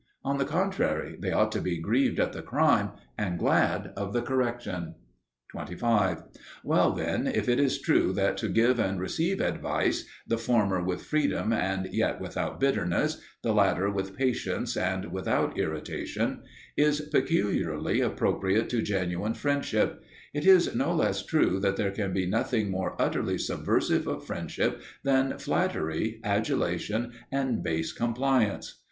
On the contrary, they ought to be grieved at the crime and glad of the correction. 25. Well, then, if it is true that to give and receive advice the former with freedom and yet without bitterness, the latter with patience and without irritation is peculiarly appropriate to genuine friendship, it is no less true that there can be nothing more utterly subversive of friendship than flattery, adulation, and base compliance.